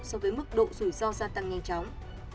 so với mức độ rủi ro gia tăng nhanh chóng